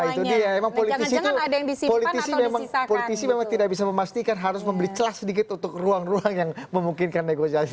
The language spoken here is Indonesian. nah itu dia emang politisi memang tidak bisa memastikan harus membeli celah sedikit untuk ruang ruang yang memungkinkan negosiasi